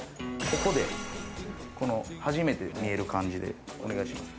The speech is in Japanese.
ここで初めて見える感じでお願いします